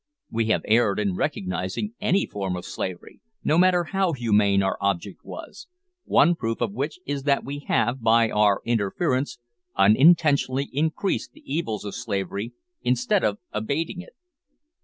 We have erred in recognising any form of slavery, no matter how humane our object was one proof of which is that we have, by our interference, unintentionally increased the evils of slavery instead of abating them.